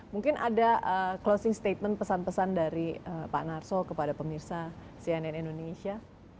mungkin ada closing statement pesan pesan dari pak narso kepada pemirsa cnn indonesia